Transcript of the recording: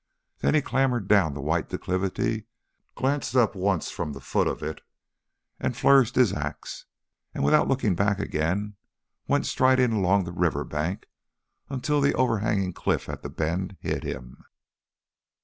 Then he clambered down the white declivity, glanced up once from the foot of it and flourished his axe, and without looking back again went striding along the river bank until the overhanging cliff at the bend hid him.